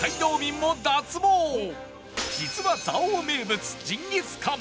実は蔵王名物ジンギスカン